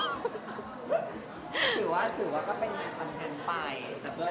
ถือว่าก็เป็นงานคอนเทนต์ไปแต่เพื่อนก็จับไม่เกลียด